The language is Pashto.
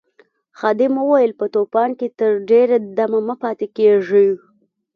خادم وویل په طوفان کې تر ډېره مه پاتې کیږئ.